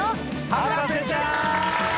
『博士ちゃん』！